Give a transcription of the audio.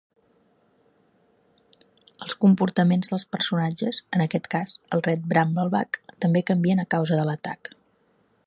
Els comportaments dels personatges, en aquest cas el Red Brambleback, també canvien a causa de l'atac.